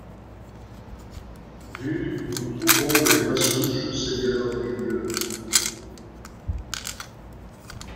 Du nous trouvons les La Souche, seigneurs du lieu.